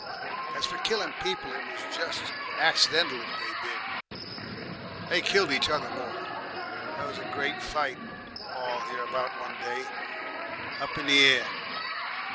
But as for killin' people, it was just accidental if they did. They killed each other more. There was a great fight all hereabout one day, Teddy up in the air.